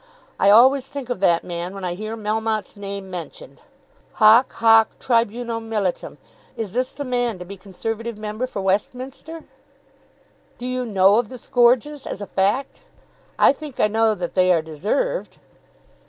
I always think of that man when I hear Melmotte's name mentioned. Hoc, hoc tribuno militum! Is this the man to be Conservative member for Westminster?" "Do you know of the scourges, as a fact?" "I think I know that they are deserved."